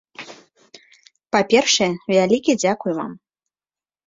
Па-першае, вялікі дзякуй вам.